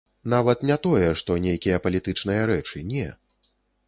Нават не тое што нейкія палітычныя рэчы, не.